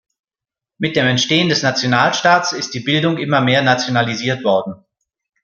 Mit dem Entstehen des Nationalstaats ist die Bildung immer mehr nationalisiert worden.